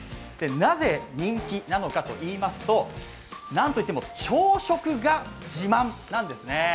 なぜ、人気なのかといいますと、何といっても朝食が自慢なんですね。